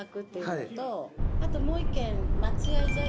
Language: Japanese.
あともう１軒。